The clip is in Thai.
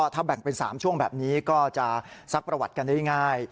ถ้าแบ่งเป็น๓ช่วงแบบนี้ก็จะซักประวัติกันได้ง่าย